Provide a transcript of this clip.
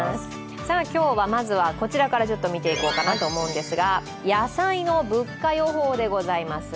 今日はまずはこちらから見ていこうかなと思うんですが、野菜の物価予報でございます。